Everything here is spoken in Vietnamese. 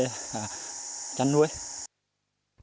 khó khăn khó khăn khó khăn